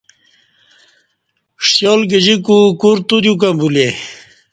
شیال گجیکو کور تودیوکں بولے